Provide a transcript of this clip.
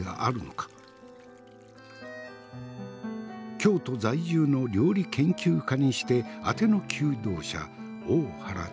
京都在住の料理研究家にしてあての求道者大原千鶴。